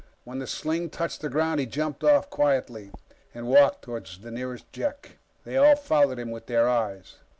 When the sling touched the ground, he jumped off quietly and walked toward the nearest Jek. They all followed him with their eyes.